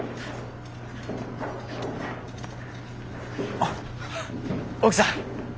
あっ奥さん。